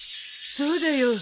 そうだよ。